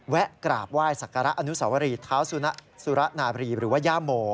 กราบไหว้สักการะอนุสวรีเท้าสุระนาบรีหรือว่าย่าโม